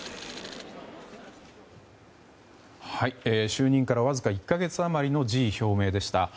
就任から、わずか１か月余りの辞意表明でした。